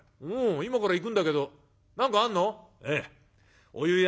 今から行くんだけど何かあんの？」。